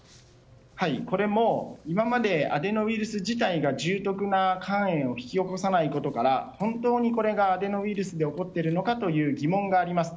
これも今までアデノウイルス自体が重篤な肝炎を引き起こさないことから本当に、これがアデノウイルスで起こっているのかという疑問があります。